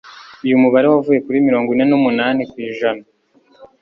Uyu mubare wavuye kuri mirongo ine numunani kwijana